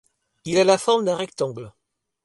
Il a la forme d'un rectangle.